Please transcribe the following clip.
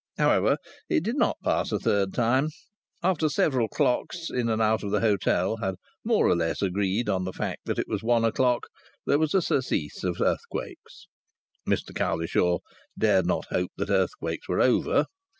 However, it did not pass a third time. After several clocks in and out of the hotel had more or less agreed on the fact that it was one o'clock, there was a surcease of earthquakes. Mr Cowlishaw dared not hope that earthquakes were over.